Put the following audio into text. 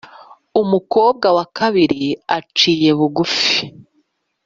Umukobwa wa kabiri aciye bugufi.